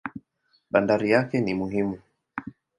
Bandari yake ni muhimu.